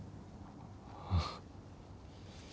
ああ。